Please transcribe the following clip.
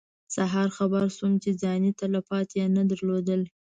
سهار خبر شوم چې ځاني تلفات یې نه درلودل.